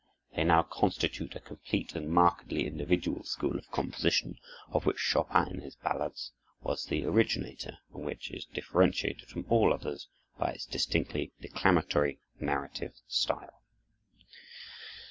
They now constitute a complete and markedly individual school of composition, of which Chopin in his ballades was the originator, and which is differentiated from all others by its distinctly declamatory, narrative style.